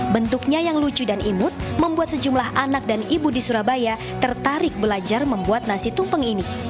bentuknya yang lucu dan imut membuat sejumlah anak dan ibu di surabaya tertarik belajar membuat nasi tumpeng ini